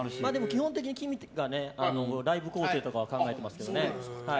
基本的にＫＩＭＩがライブ構成とかは考えてますね。